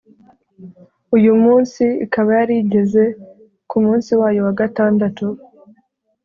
uyu munsi ikaba yari igeze ku munsi wayo wa gatandatu